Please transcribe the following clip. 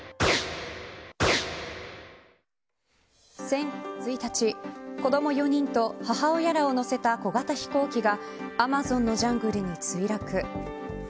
先月１日子ども４人と母親らを乗せた小型飛行機がアマゾンのジャングルに墜落。